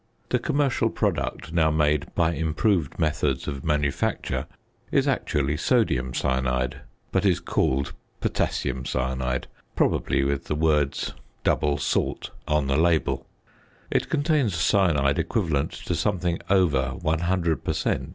The commercial product now made by improved methods of manufacture is actually sodium cyanide, but is called "potassium cyanide" (probably with the words "double salt" on the label); it contains cyanide equivalent to something over 100 per cent.